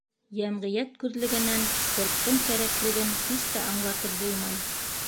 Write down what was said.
Йәмғиәт күҙлегенән спорттың кәрәклеген һис тә аңлатып булмай.